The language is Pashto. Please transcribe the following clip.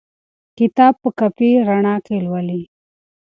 کتاب په کافي رڼا کې ولولئ.